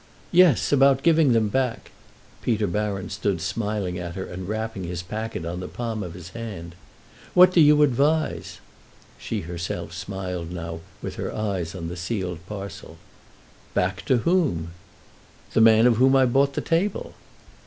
"Yes, about giving them back." Peter Baron stood smiling at her and rapping his packet on the palm of his hand. "What do you advise?" She herself smiled now, with her eyes on the sealed parcel. "Back to whom?" "The man of whom I bought the table."